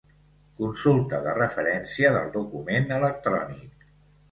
Consulta de referència del document electrònic.